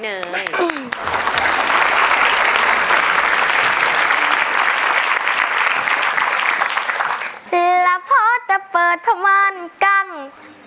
เหล้าภาวจะเปิดภมณ์กาง